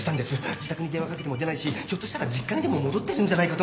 自宅に電話かけても出ないしひょっとしたら実家にでも戻ってるんじゃないかと思って。